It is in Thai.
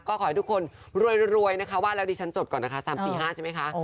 ก็ขอให้ทุกคนรวยนะคะว่าแล้วดิฉันจดก่อนนะคะ๓๔๕ใช่ไหมคะ